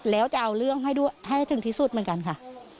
แล้วจะเอาเรื่องให้ถึงที่สุดเหมือนกันค่ะ